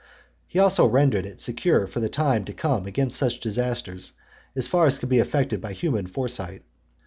He also rendered (92) it secure for the time to come against such disasters, as far as could be effected by human foresight.